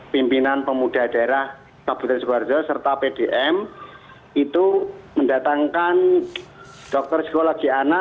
pimpinan pemuda daerah kabupaten yasuko harjo serta pdm itu mendatangkan dokter sekolah giana